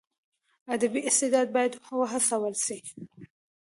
ادبي استعداد باید وهڅول سي.